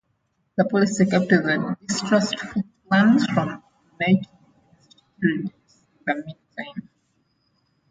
This policy kept the distrustful clans from uniting against Tiridates in the meantime.